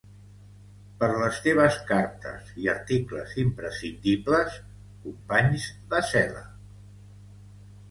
Per les teves cartes i articles imprescindibles, companys de cel·la.